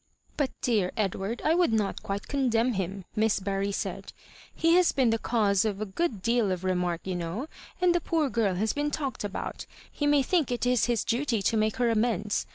"But, dear Edward, I would not quite con demn Mm,'' Miss Bury said. "He has been the cause o* a good deal of remark, you know, and the poor giri has been talked about He may think it is his duty to make her amends.